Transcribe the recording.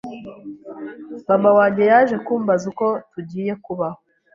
Mama wanjye yaje kumbaza uko tugiye kubaho